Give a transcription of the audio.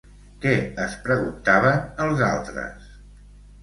Què es preguntaven els altres?